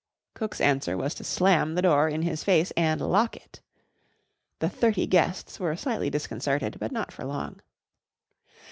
Cook's answer was to slam the door in his face and lock it. The thirty guests were slightly disconcerted, but not for long.